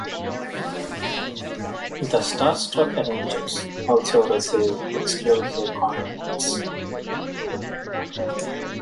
The "Starstruck Avengers" also received exclusive contracts.